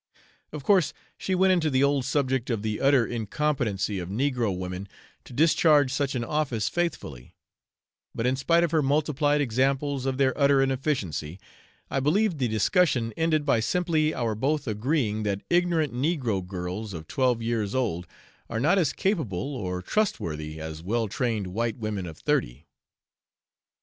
Of course, she went into the old subject of the utter incompetency of negro women to discharge such an office faithfully; but in spite of her multiplied examples of their utter inefficiency, I believe the discussion ended by simply our both agreeing that ignorant negro girls of twelve years old are not as capable or trustworthy as well trained white women of thirty.